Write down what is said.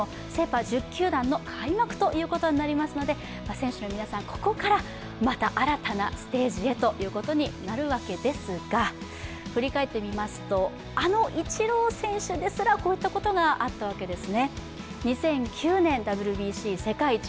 選手の皆さん、ここからまた新たなステージにということになるわけですが振り返ってみますと、あのイチロー選手ですら、こういったことがあったわけです。